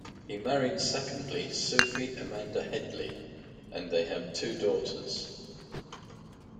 He married secondly Sophie Amanda Hedley, and they have two daughters.